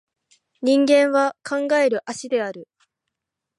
人間は考える葦である